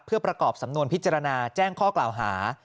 เพื่อประกอบสำนวนพิจารณาแจ้งข้อกล่าวหา